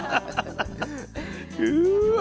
うわ！